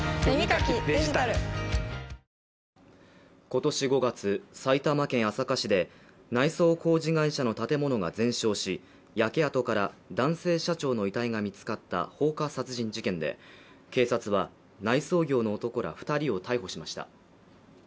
今年５月、埼玉県朝霞市で内装工事会社の建物が全焼し焼け跡から男性社長の遺体が見つかった放火殺人事件で警察は内装業の男ら２人を逮捕しました。